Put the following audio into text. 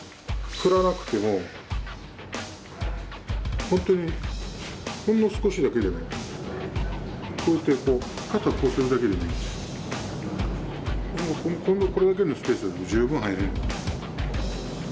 振らなくても本当に、ほんの少しだけでもこうやって肩をこうするだけでもこれだけのスペースがあれば十分入れる。